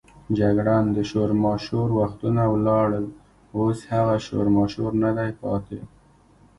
جګړن: د شورماشور وختونه ولاړل، اوس هغه شورماشور نه دی پاتې.